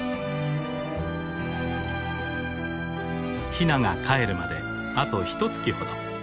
ヒナがかえるまであとひとつきほど。